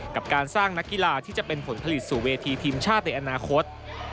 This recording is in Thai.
กับการสร้างนักกีฬาที่จะเป็นผลผลิตสู่เวทีทีมชาติในอนาคต